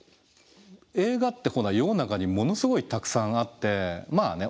映画ってほら世の中にものすごいたくさんあってまあね